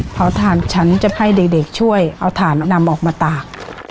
พอถ่านฉันจะให้เด็กช่วยเอาถ่านนำออกมาตาก